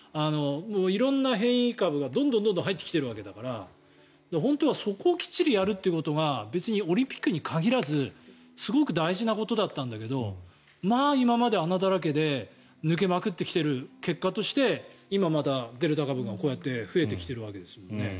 色んな変異株がどんどん入ってきているわけだから本当はそこをきっちりやるということが別にオリンピックに限らずすごく大事なことだったんだけど今まで穴だらけで抜けまくってきている結果として今また、デルタ株がこうやって増えてきているわけですよね。